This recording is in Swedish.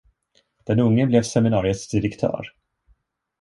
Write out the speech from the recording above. Den unge blev seminariets direktör.